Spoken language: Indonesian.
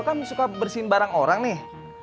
aku kan suka bersihin barang orang nih